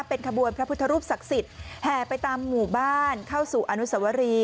เป็นขบวนพระพุทธรูปศักดิ์สิทธิ์แห่ไปตามหมู่บ้านเข้าสู่อนุสวรี